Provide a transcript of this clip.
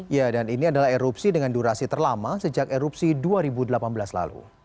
ya dan ini adalah erupsi dengan durasi terlama sejak erupsi dua ribu delapan belas lalu